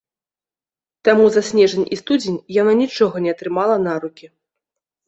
Таму за снежань і студзень яна нічога не атрымала на рукі.